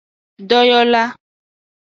Doyola.